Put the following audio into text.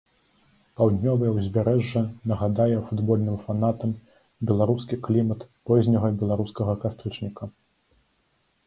Паўднёвае ўзбярэжжа нагадае футбольным фанатам беларускі клімат позняга беларускага кастрычніка.